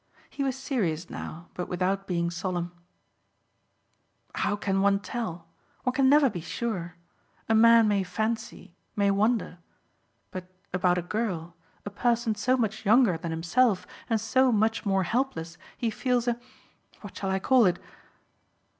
He was serious now, but without being solemn. "How can one tell? One can never be sure. A man may fancy, may wonder; but about a girl, a person so much younger than himself and so much more helpless, he feels a what shall I call it?"